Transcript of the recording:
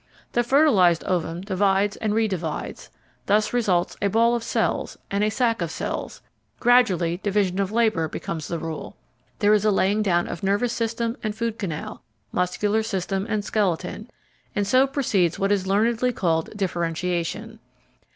The fertilised ovum divides and redivides; there results a ball of cells and a sack of cells; gradually division of labour becomes the rule; there is a laying down of nervous system and food canal, muscular system and skeleton, and so proceeds what is learnedly called differentiation.